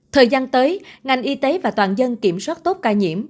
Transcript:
thời gian tới ngành y tế và toàn dân kiểm soát tốt ca nhiễm